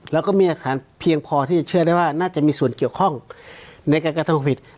แล้วก็มีหลักฐานเพียงพอที่จะเชื่อได้ว่าน่าจะมีส่วนเกี่ยวข้องในการกระทำผิด